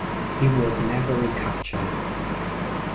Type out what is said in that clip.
He was never recaptured.